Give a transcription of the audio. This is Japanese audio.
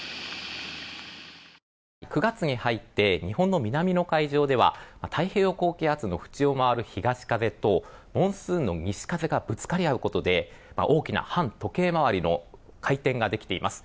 ９月に入って日本の南の海上では太平洋高気圧の縁を回る東風とモンスーンの西風がぶつかり合うことで大きな反時計回りの回転ができています。